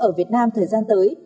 ở việt nam thời gian tới